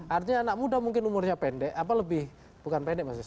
artinya anak muda mungkin umurnya pendek apa lebih bukan pendek mas ya